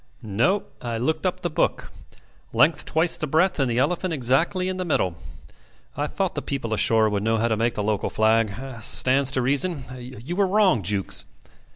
"No. I looked up the book. Length twice the breadth and the elephant exactly in the middle. I thought the people ashore would know how to make the local flag. Stands to reason. You were wrong, Jukes.